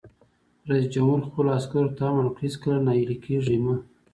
رئیس جمهور خپلو عسکرو ته امر وکړ؛ هیڅکله ناهیلي کیږئ مه!